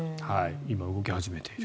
今、動き始めている。